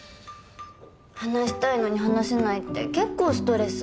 話したいのに話せないって結構ストレス。